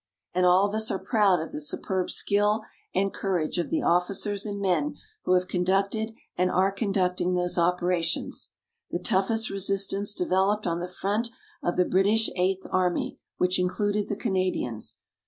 And all of us are proud of the superb skill and courage of the officers and men who have conducted and are conducting those operations. The toughest resistance developed on the front of the British Eighth Army, which included the Canadians.